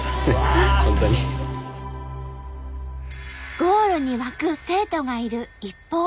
ゴールに沸く生徒がいる一方で。